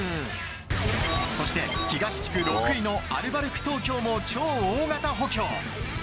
そして、東地区６位のアルバルク東京も超大型補強。